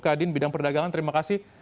kak adin bidang perdagangan terima kasih